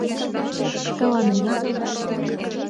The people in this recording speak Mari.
Тыланет...